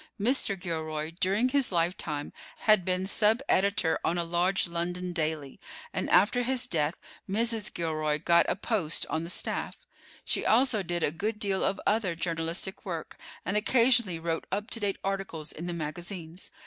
Mr. Gilroy, during his lifetime, had been sub editor on a large London daily, and after his death Mrs. Gilroy got a post on the staff. She also did a good deal of other journalistic work, and occasionally wrote up to date articles in the magazines.